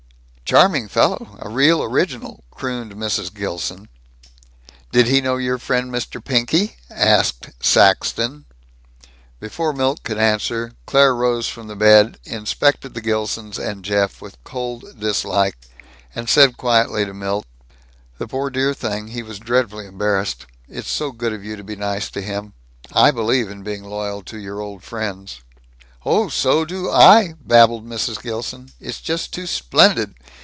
"Charming fellow. A real original," crooned Mrs. Gilson. "Did he know your friend Mr. Pinky?" asked Saxton. Before Milt could answer, Claire rose from the bed, inspected the Gilsons and Jeff with cold dislike, and said quietly to Milt, "The poor dear thing he was dreadfully embarrassed. It's so good of you to be nice to him. I believe in being loyal to your old friends." "Oh, so do I!" babbled Mrs. Gilson. "It's just too splendid.